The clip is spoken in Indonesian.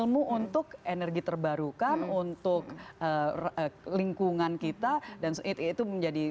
mungkin sama sekali belum pernah